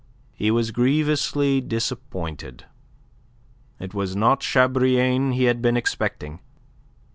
He was grievously disappointed. It was not Chabrillane he had been expecting.